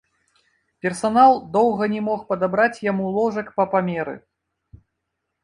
Персанал доўга не мог падабраць яму ложак па памеры.